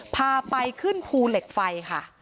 พาไปขึ้นภูเหล็กไฟค่ะ